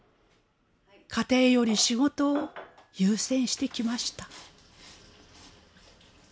家庭より仕事を優先してきました。